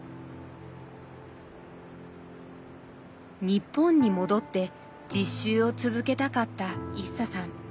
日本に戻って実習を続けたかったイッサさん。